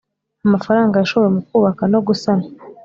amafaranga yashowe mu kubaka no gusana